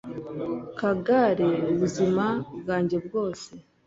kagare ubuzima bwanjye bwose